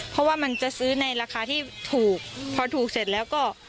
เพราะว่ามันจะซื้อในราคาที่ถูกพอถูกเสร็จแล้วก็